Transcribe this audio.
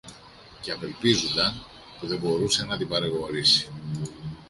και απελπίζουνταν που δεν μπορούσε να την παρηγορήσει.